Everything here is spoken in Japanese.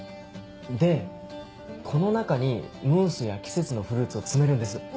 でこの中にムースや季節のフルーツを詰めるんです。